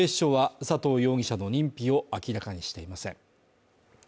警視庁は佐藤容疑者の認否を明らかにしていません。